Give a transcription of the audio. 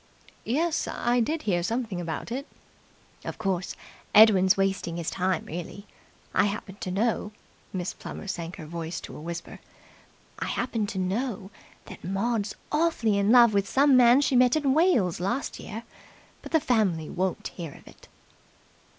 "Yes, I did hear something about it." "Of course, Edwin's wasting his time, really. I happen to know" Miss Plummer sank her voice to a whisper "I happen to know that Maud's awfully in love with some man she met in Wales last year, but the family won't hear of it."